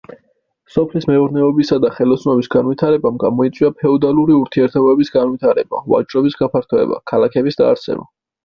სოფლის მეურნეობისა და ხელოსნობის განვითარებამ გამოიწვია ფეოდალური ურთიერთობების განვითარება, ვაჭრობის გაფართოება, ქალაქების დაარსება.